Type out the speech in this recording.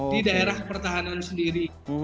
di daerah pertahanan sendiri